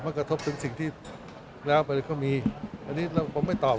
มันกระทบถึงสิ่งที่แล้วไปเลยก็มีอันนี้แล้วผมไม่ตอบ